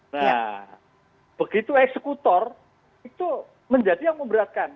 nah begitu eksekutor itu menjadi yang memberatkan